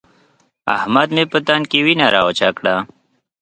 احمد مې په تن کې وينه راوچه کړه.